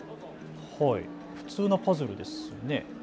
普通のパズルですね。